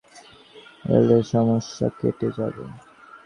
আপনার কোলে আরেকটা শিশু এলে সমস্যা কেটে যাবে।